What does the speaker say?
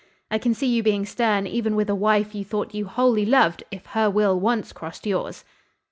I can see you being stern even with a wife you thought you wholly loved if her will once crossed yours."